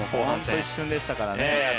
一瞬でしたからね。